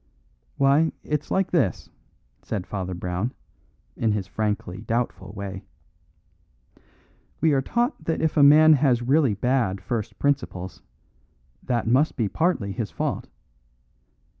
"Why, it's like this," said Father Brown, in his frankly doubtful way: "We are taught that if a man has really bad first principles, that must be partly his fault.